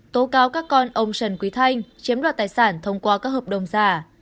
tố cáo các con ông trần quý thanh chiếm đoạt tài sản thông qua các hợp đồng giả